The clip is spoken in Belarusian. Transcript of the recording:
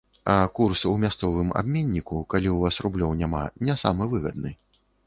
А курс у мясцовым абменніку, калі ў вас рублёў няма, не самы выгадны.